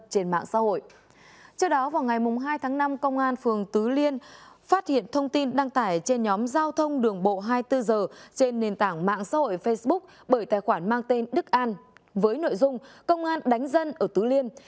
trước đó vào ngày hai tháng năm công an phường tứ liên phát hiện thông tin đăng tải trên nhóm giao thông đường bộ hai mươi bốn h trên nền tảng mạng xã hội facebook bởi tài khoản mang tên đức an với nội dung công an đánh dân ở tứ liên